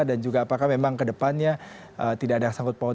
dan juga apakah memang kedepannya tidak ada sanggup pauh